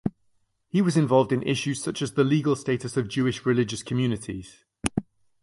He was involved in issues such as the legal status of Jewish religious communities.